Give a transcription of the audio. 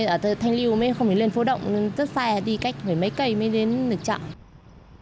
ở thanh liu mới không phải lên phố động tất xa đi cách với mái cày mới đến được chợ